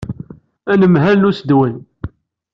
Anemhal n usedwel.